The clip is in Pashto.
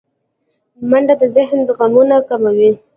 منډه د ذهن غمونه کموي